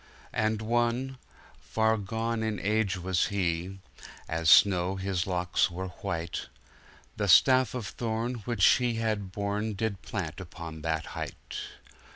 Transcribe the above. And one — far gone in age was he — As snow, his locks were white — The staff of thorn which he had borne, Did plant upon that height.